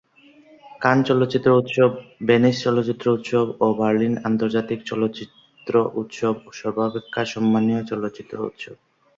কান চলচ্চিত্র উৎসব, ভেনিস চলচ্চিত্র উৎসব ও বার্লিন আন্তর্জাতিক চলচ্চিত্র উৎসব সর্বাপেক্ষা সম্মানীয় চলচ্চিত্র উৎসব।